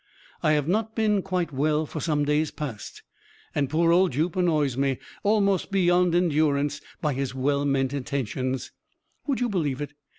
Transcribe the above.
"I have not been quite well for some days past, and poor old Jup annoys me, almost beyond endurance, by his well meant attentions. Would you believe it?